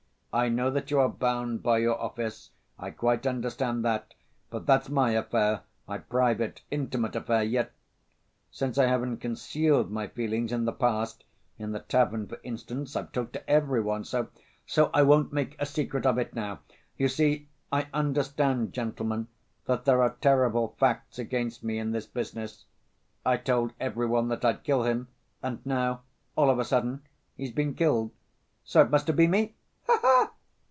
I know that you are bound by your office, I quite understand that, but that's my affair, my private, intimate affair, yet ... since I haven't concealed my feelings in the past ... in the tavern, for instance, I've talked to every one, so ... so I won't make a secret of it now. You see, I understand, gentlemen, that there are terrible facts against me in this business. I told every one that I'd kill him, and now, all of a sudden, he's been killed. So it must have been me! Ha ha!